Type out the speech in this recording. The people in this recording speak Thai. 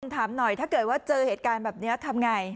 ถามหน่อยถ้าเกิดว่าเจอเหตุการณ์แบบนี้ทำไง